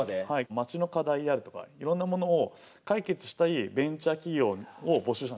町の課題であるとかいろんなものを解決したいベンチャー企業を募集したんですね。